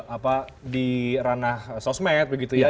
apa di ranah sosmed begitu ya